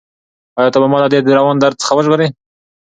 ایا ته به ما له دې روان درد څخه وژغورې؟